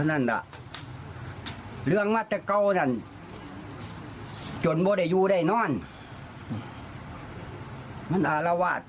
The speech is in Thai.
นั่นน่ะเรื่องมาแต่เก่านั่นจนบ่ได้อยู่ได้นอนมันอารวาส